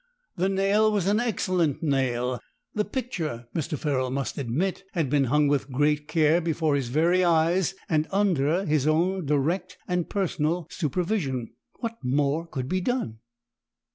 The nail was an excellent nail, the picture, Mr. Ferrol must admit, had been hung with great care before his very eyes and under his own direct and personal supervision. What more could be done?